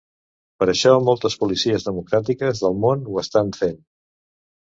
Per això moltes policies democràtiques del món ho estan fent.